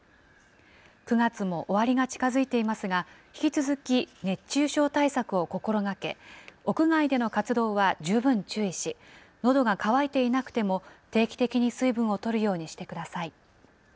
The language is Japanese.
９月も終わりが近づいていますが、引き続き、熱中症対策を心がけ、屋外での活動は十分注意し、のどが渇いていなくても、定期的に水分をとるようにしてください。